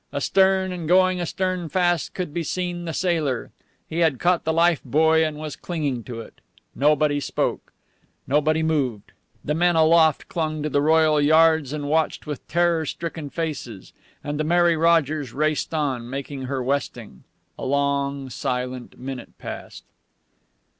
Astern, and going astern fast, could be seen the sailor. He had caught the life buoy and was clinging to it. Nobody spoke. Nobody moved. The men aloft clung to the royal yards and watched with terror stricken faces. And the Mary Rogers raced on, making her westing. A long, silent minute passed.